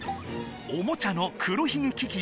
おもちゃの黒ひげ危機